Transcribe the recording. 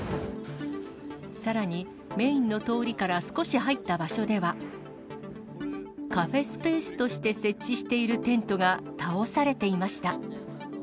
さらに、メインの通りから少し入った場所では、カフェスペースとして設置しているテントが倒されていました。